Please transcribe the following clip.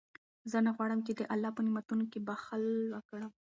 زه نه غواړم چې د الله په نعمتونو کې بخل وکړم.